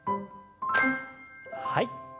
はい。